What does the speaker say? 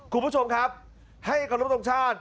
คุณผู้ชมครับให้คณะประตงชาติ